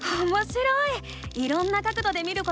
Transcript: いろんな角どで見ることができるんだね！